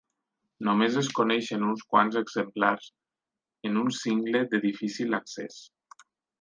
Només es coneixen uns quants exemplars en un cingle de difícil accés.